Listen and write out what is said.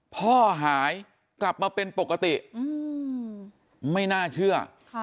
พ่อหายกลับมาเป็นปกติไม่น่าเชื่อ